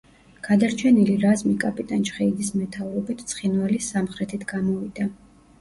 გადარჩენილი რაზმი კაპიტან ჩხეიძის მეთაურობით ცხინვალის სამხრეთით გამოვიდა.